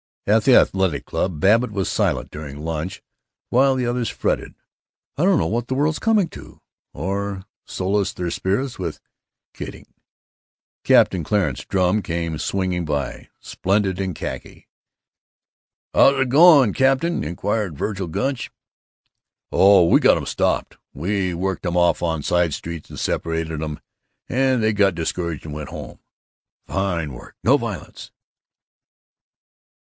At the Athletic Club, Babbitt was silent during lunch, while the others fretted, "I don't know what the world's coming to," or solaced their spirits with "kidding." Captain Clarence Drum came swinging by, splendid in khaki. "How's it going, Captain?" inquired Vergil Gunch. "Oh, we got 'em stopped. We worked 'em off on side streets and separated 'em and they got discouraged and went home." "Fine work. No violence."